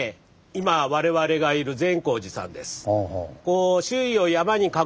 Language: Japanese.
今我々がいる善光寺さんです。